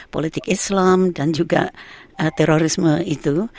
politik islam dan juga terorisme itu